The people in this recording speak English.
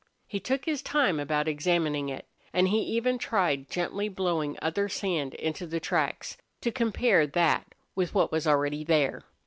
He took his time about examining it, and he even tried gently blowing other sand into the tracks, to compare that with what was already there.